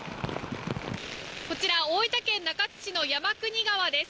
こちら、大分県中津市の山国川です。